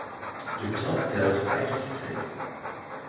De trap telt vijftig treden.